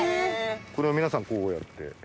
これを皆さんこうやって。